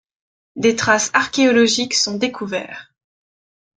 des traces archéologiques sont découverts